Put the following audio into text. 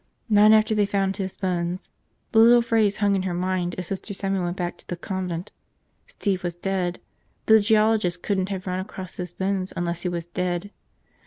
Not after they found his bones. The little phrase hung in her mind as Sister Simon went back to the convent. Steve was dead. The geologist couldn't have run across his bones unless he was dead.